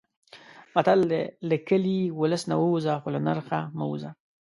متل دی: له کلي، اولس نه ووځه خو له نرخه مه وځه.